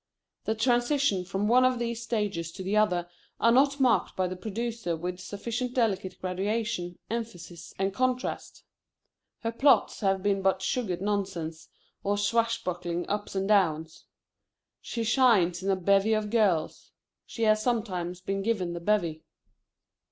The transitions from one of these stages to the other are not marked by the producer with sufficient delicate graduation, emphasis, and contrast. Her plots have been but sugared nonsense, or swashbuckling ups and downs. She shines in a bevy of girls. She has sometimes been given the bevy.